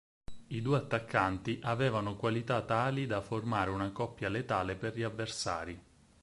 I due attaccanti avevano qualità tali da formare una coppia letale per gli avversari.